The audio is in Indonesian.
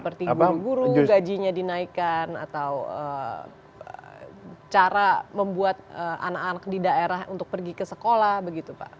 seperti guru guru gajinya dinaikkan atau cara membuat anak anak di daerah untuk pergi ke sekolah begitu pak